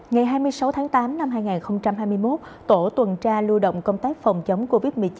ngày hai mươi sáu tháng tám năm hai nghìn hai mươi một tổ tuần tra lưu động công tác phòng chống covid một mươi chín